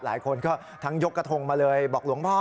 หลายคนก็ทั้งยกกระทงมาเลยบอกหลวงพ่อ